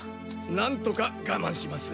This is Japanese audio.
なんとかがまんします。